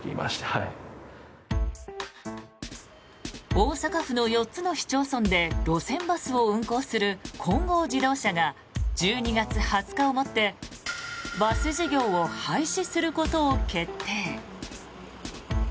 大阪府の４つの市町村で路線バスを運行する金剛自動車が１２月２０日をもってバス事業を廃止することを決定。